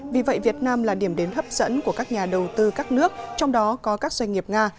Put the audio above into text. vì vậy việt nam là điểm đến hấp dẫn của các nhà đầu tư các nước trong đó có các doanh nghiệp nga